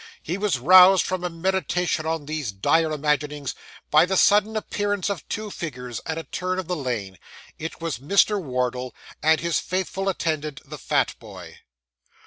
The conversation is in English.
He was roused from a meditation on these dire imaginings by the sudden appearance of two figures at a turn of the lane. It was Mr. Wardle, and his faithful attendant, the fat boy.